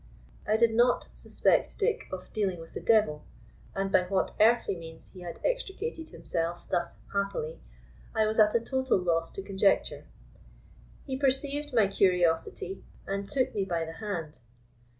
I did not suspect Dick of dealing with the devil, and by what earthly means he had extricated himself thus happily I was at a total loss to conjecture. He perceived my curiosity, and took me by the hand.